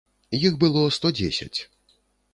Іх было сто дзесяць!